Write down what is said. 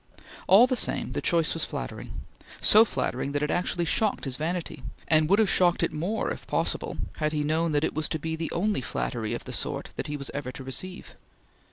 All the same, the choice was flattering; so flattering that it actually shocked his vanity; and would have shocked it more, if possible, had he known that it was to be the only flattery of the sort he was ever to receive.